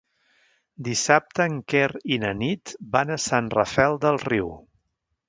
Dissabte en Quer i na Nit van a Sant Rafel del Riu.